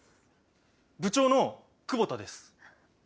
部長の久保田です。